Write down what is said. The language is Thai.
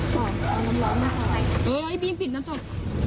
ทำไมอะคะเออน้ำมาหายเอออีบีมผิดน้ำจบ